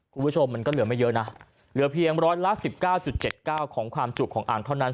คุณผู้ชมมันก็เหลือไม่เยอะนะเหลือเพียงร้อยละสิบเก้าจุดเจ็ดเก้าของความจุกของอังเท่านั้น